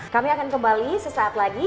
kami akan kembali sesaat lagi